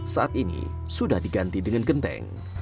saat ini sudah diganti dengan genteng